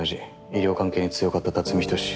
医療関係に強かった辰巳仁志。